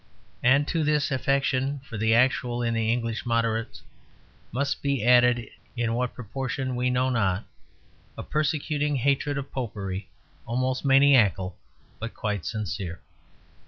And to this affection for the actual in the English moderates must be added (in what proportion we know not) a persecuting hatred of Popery almost maniacal but quite sincere.